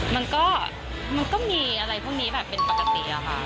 มันก็มีอะไรพวกนี้แบบเป็นปกติอะค่ะ